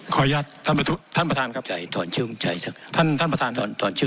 ขออนุญาตท่านประทานครับท่านประทานครับตอนชื่อ